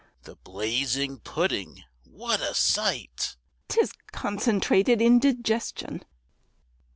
) The blazing pudding what a sight! ('Tis concentrated indigestion!